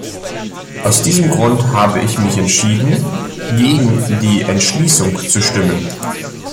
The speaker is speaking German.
Aus diesem Grund habe ich mich entschieden, gegen die Entschließung zu stimmen.